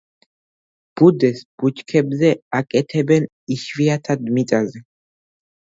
ბუდეს ბუჩქებზე აკეთებენ, იშვიათად მიწაზე.